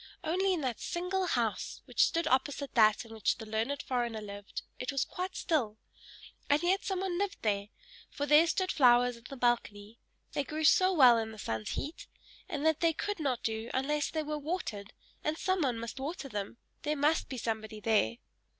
Only in that single house, which stood opposite that in which the learned foreigner lived, it was quite still; and yet some one lived there, for there stood flowers in the balcony they grew so well in the sun's heat! and that they could not do unless they were watered and some one must water them there must be somebody there.